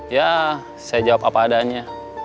ya saya jawab apa adanya